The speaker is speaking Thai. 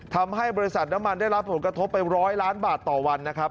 ทำให้บริษัทน้ำมันได้รับผลกระทบไป๑๐๐ล้านบาทต่อวันนะครับ